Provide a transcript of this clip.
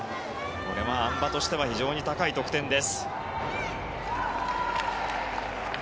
これは、あん馬としては非常に高い得点です。